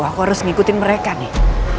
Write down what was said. aku harus ngikutin mereka nih